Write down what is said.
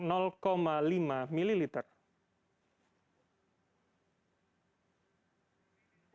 dan separuh dosis vaksin pfizer atau dosis penuh astrazeneca sebanyak lima ml